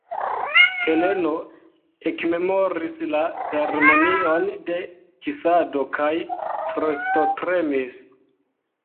Heleno ekmemoris la ceremonion de kisado kaj frostotremis.